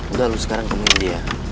udah lo sekarang kemihin dia